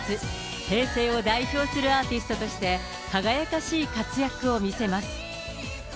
平成を代表するアーティストとして、輝かしい活躍を見せます。